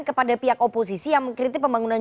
kepada pihak oposisi yang mengkritik pembangunan